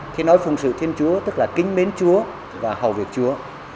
khi nói phung sự thiên chúa tức là kính mến chúa và hầu việc chúa